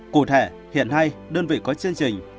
cụ thể hiện nay đơn vị có chương trình